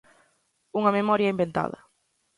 Unha memoria inventada.